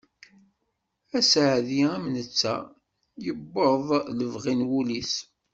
Aseɛdi am netta, yewweḍ lebɣi n wul-is.